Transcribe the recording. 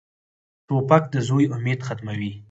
توپک د زوی امید ختموي.